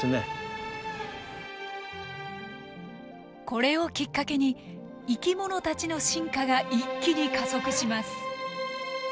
これをきっかけに生き物たちの進化が一気に加速します。